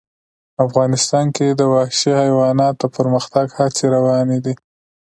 افغانستان کې د وحشي حیوانات د پرمختګ هڅې روانې دي.